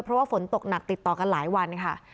เพราะว่าฝนตกหนักติดต่อกันหลายวันค่ะ